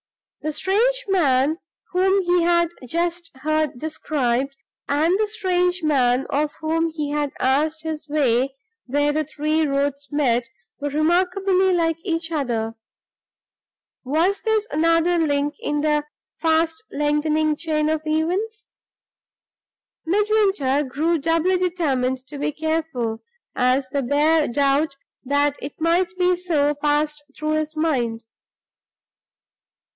The strange man whom he had just heard described, and the strange man of whom he had asked his way where the three roads met, were remarkably like each other. Was this another link in the fast lengthening chain of events? Midwinter grew doubly determined to be careful, as the bare doubt that it might be so passed through his mind.